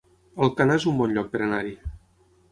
Alcanar es un bon lloc per anar-hi